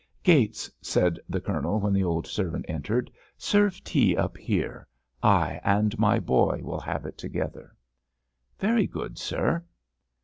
"Gates," said the Colonel, when the old servant entered, "serve tea up here; I and my boy will have it together." "Very good, sir."